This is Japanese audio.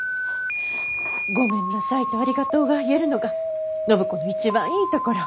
「ごめんなさい」と「ありがとう」が言えるのが暢子の一番いいところ。